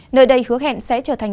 nơi đây hứa hẹn sẽ trở thành